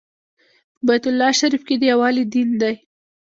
په بیت الله شریف کې د یووالي دین دی.